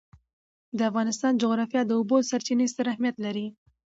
د افغانستان جغرافیه کې د اوبو سرچینې ستر اهمیت لري.